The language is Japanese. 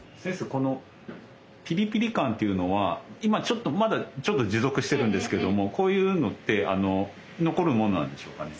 このピリピリ感っていうのは今ちょっと持続してるんですけどもこういうのって残るものなんでしょうかね？